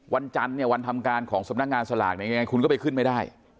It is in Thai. วันจันทร์เนี่ยวันทำการของสำนักงานสลากเนี่ยยังไงคุณก็ไปขึ้นไม่ได้